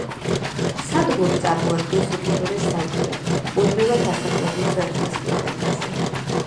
სადგური წარმოადგენს უკიდურეს სამხრეთ მუდმივად დასახლებულ წერტილს პლანეტაზე.